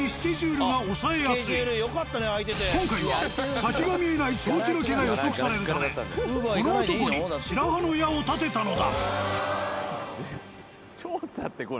今回は先が見えない長期ロケが予測されるためこの男に白羽の矢を立てたのだ。